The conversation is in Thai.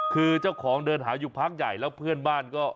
คือเจ้าของเดินหาอยู่พักใหญ่แล้วเพื่อนบ้านก็